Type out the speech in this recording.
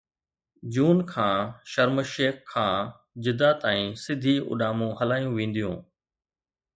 جون کان Sharm El Sheikh کان جده تائين سڌي اڏامون هلايون وينديون